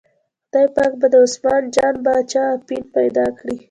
خدای پاک به د عثمان جان باچا اپین پیدا کړي.